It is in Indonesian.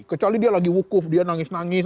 kecuali dia lagi wukuf dia nangis nangis